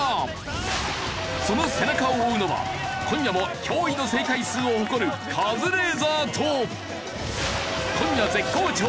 その背中を追うのは今夜も驚異の正解数を誇るカズレーザーと。